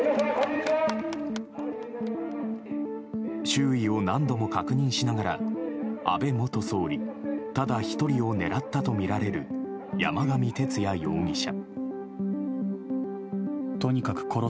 周囲を何度も確認しながら安倍元総理ただ１人を狙ったとみられる山上徹也容疑者。